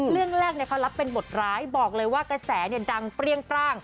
เรื่องแรกเขารับเป็นบทร้ายบอกเลยว่ากระแสดังเปรี้ยงปร่าง